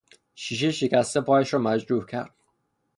شیشهی شکسته پایش را مجروح کرد.